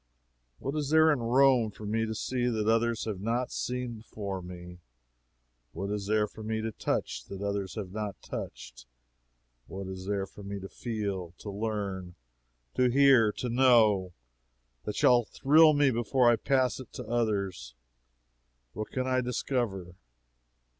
What is there in Rome for me to see that others have not seen before me? What is there for me to touch that others have not touched? What is there for me to feel, to learn, to hear, to know, that shall thrill me before it pass to others? What can I discover?